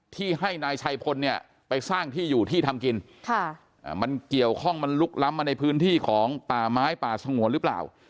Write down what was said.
ที่ให้นายชัยพลเนี่ยไปสร้างที่อยู่ที่ทำกินมันเกี่ยวข้องมันลุกล้ำมาในพื้นที่ของป่าไม้ป่าสงวนหรือเปล่า